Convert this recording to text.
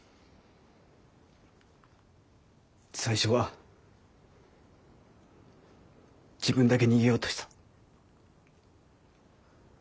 最初は自分だけ逃げようとした。